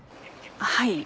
はい。